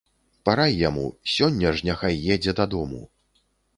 Парай яму, сёння ж няхай едзе дадому.